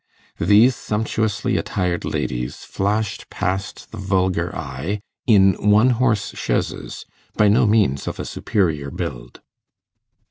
These sumptuously attired ladies flashed past the vulgar eye in one horse chaises, by no means of a superior build.